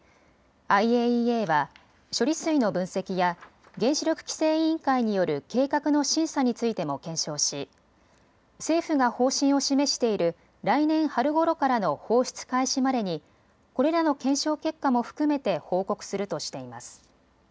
ＩＡＥＡは処理水の分析や原子力規制委員会による計画の審査についても検証し政府が方針を示している来年春ごろからの放出開始までにこれらの検証結果も含めて報告するとしています。